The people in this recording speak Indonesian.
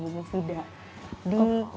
biasanya masakan di movie tidak